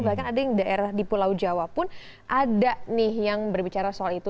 bahkan ada yang daerah di pulau jawa pun ada nih yang berbicara soal itu